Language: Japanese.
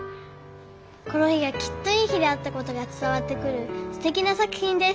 この日がきっといい日であったことが伝わってくるすてきな作品です」。